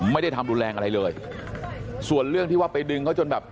ไม่ได้ทำรุนแรงอะไรเลยส่วนเรื่องที่ว่าไปดึงเขาจนแบบ